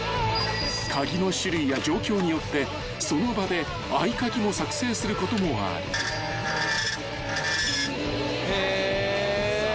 ［鍵の種類や状況によってその場で合鍵も作成することもある］へ。